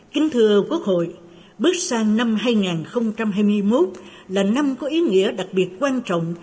kính thưa quốc hội bước sang năm hai nghìn hai mươi một là năm có ý nghĩa đặc biệt quan trọng